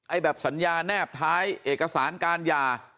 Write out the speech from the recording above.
แบบสัญญาแนบท้ายเอกสารการหย่า